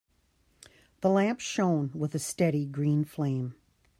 The lamp shone with a steady green flame.